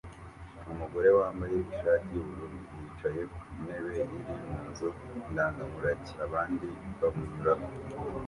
Umugore wambaye ishati yubururu yicaye ku ntebe iri mu nzu ndangamurage abandi bamunyuraho